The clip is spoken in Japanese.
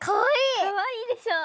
かわいいでしょ。